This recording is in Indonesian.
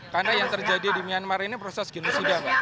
karena yang terjadi di myanmar ini proses genosida